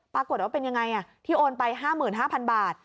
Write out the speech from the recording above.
ปรากฏว่าเป็นยังไงที่โอนไป๕๕๐๐บาท